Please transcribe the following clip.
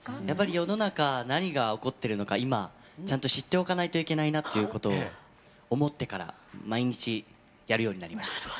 やっぱり世の中何が起こってるのか今ちゃんと知っておかないといけないなっていうことを思ってから毎日やるようになりました。